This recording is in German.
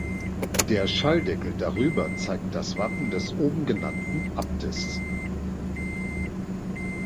Der Schalldeckel darüber zeigt das Wappen des oben genannten Abtes.